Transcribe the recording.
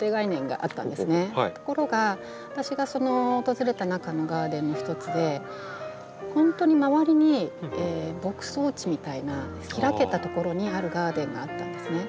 ところが私が訪れた中のガーデンの一つで本当に周りに牧草地みたいな開けた所にあるガーデンがあったんですね。